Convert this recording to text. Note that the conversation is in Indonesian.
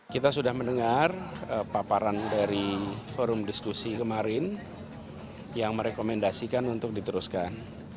kita sudah mendengar paparan dari forum diskusi kemarin yang merekomendasikan untuk diteruskan